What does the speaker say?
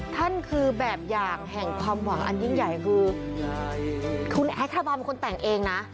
นั่นคือแบบอย่างแห่งความหวังอันยิ่งใหญ่คือคุณแอคาราบาลเป็นคนแต่งเองนะ